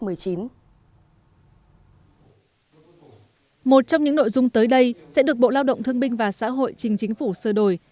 một trong những nội dung tới đây sẽ được bộ lao động thương binh và xã hội trình chính phủ sửa đổi